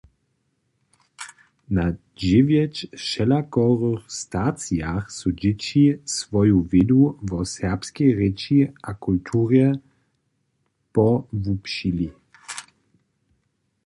Na dźewjeć wšelakorych stacijach su dźěći swoju wědu wo serbskej rěči a kulturje pohłubšili.